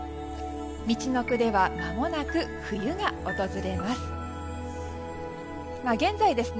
みちのくではまもなく冬が訪れます。